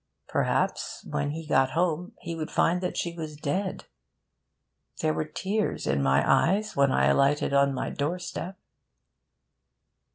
Perhaps when he got home he would find that she was dead. There were tears in my eyes when I alighted on my doorstep.